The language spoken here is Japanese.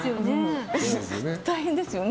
大変ですよね。